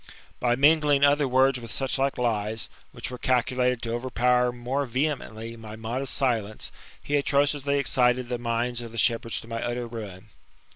By mingling other words with such like lies^ which ^ere calculated to overpower more vehemently my modest silence, be atrociously excited the minds Of the shepherds to my utt^r fuin.